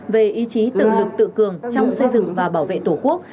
về ý chí tự lực tự cường trong xây dựng và bảo vệ tổ quốc